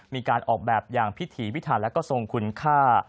มีการออกแบบอย่างพิถีพิถันและก็ทรงคุณค่า